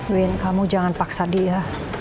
win kamu jangan paksa dia